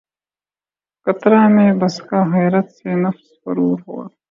قطرہٴ مے بسکہ حیرت سے نفس پرور ہوا